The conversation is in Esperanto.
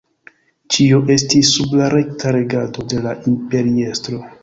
Ĉio estis sub la rekta regado de la imperiestro.